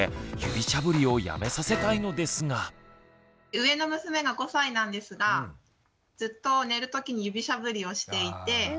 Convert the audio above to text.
上の娘が５歳なんですがずっと寝るときに指しゃぶりをしていて。